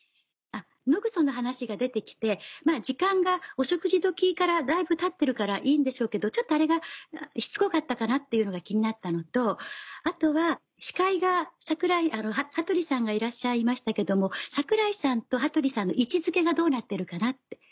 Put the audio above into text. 野グソの話が出て来て時間がお食事時からだいぶたってるからいいんでしょうけどちょっとあれがしつこかったかなっていうのが気になったのとあとは司会が羽鳥さんがいらっしゃいましたけども櫻井さんと羽鳥さんの位置付けがどうなってるかなって。